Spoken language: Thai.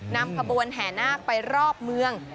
นำขบวนแห่นาคไปรอบเมือง